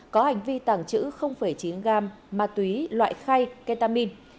có hành vi tăng chữ chín gam ma túy loại khay ketamin